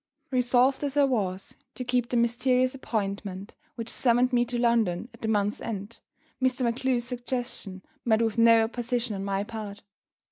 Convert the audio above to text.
Resolved as I was to keep the mysterious appointment which summoned me to London at the month's end, Mr. MacGlue's suggestion met with no opposition on my part.